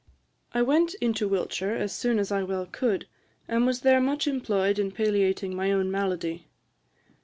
I went into Wiltshire as soon as I well could, and was there much employed in palliating my own malady.